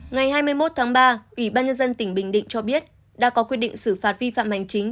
ngày hai mươi một tháng ba ủy ban nhân dân tỉnh bình định cho biết đã có quyết định xử phạt vi phạm hành chính